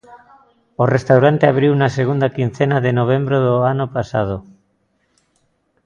O restaurante abriu na segunda quincena de novembro do ano pasado.